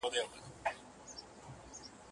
پلار یې شهید کړي د یتیم اختر په کاڼو ولي